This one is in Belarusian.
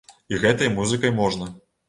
І гэтай музыкай можна.